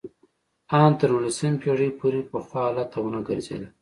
ان تر نولسمې پېړۍ پورې پخوا حالت ته ونه ګرځېده